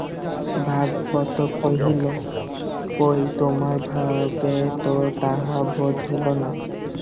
ভাগবত কহিল, কই তোমার ভাবে তো তাহা বোধ হইল না!